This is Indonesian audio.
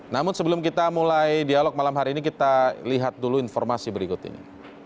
namun sebelum kita mulai dialog malam hari ini kita lihat dulu informasi berikut ini